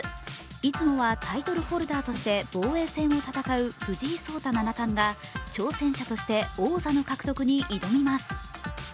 いつもはタイトルホルダーとして防衛戦を戦う藤井聡太七冠が挑戦者として王座の獲得に挑みます。